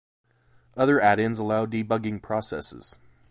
Other add-ins allow debugging processes.